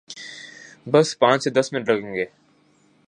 بس پانچھ سے دس منٹ لگئیں گے۔